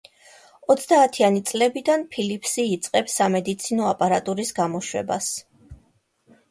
ოცდაათიანი წლებიდან ფილიპსი იწყებს სამედიცინო აპარატურის გამოშვებას.